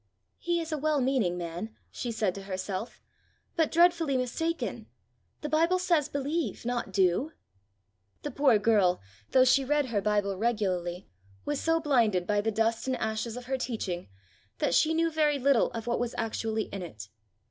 "He is a well meaning man," she said to herself, "but dreadfully mistaken: the Bible says believe, not do!" The poor girl, though she read her Bible regularly, was so blinded by the dust and ashes of her teaching, that she knew very little of what was actually in it.